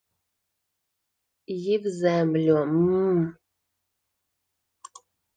— Їв землю-м.